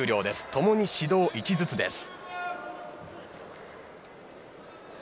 ともに指導１ずつです。